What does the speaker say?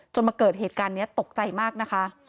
มาเกิดเหตุการณ์นี้ตกใจมากนะคะ